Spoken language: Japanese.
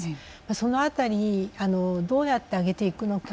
その辺りでどうやって上げていくか。